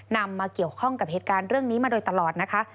นำมาเกี่ยวข้องกับเหตุการณ์เรื่องนี้มาโดยตลอดนะคะ